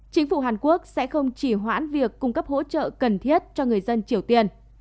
chính phủ hàn quốc sẽ không chỉ hoãn việc cung cấp hỗ trợ cần thiết cho người dân triều tiên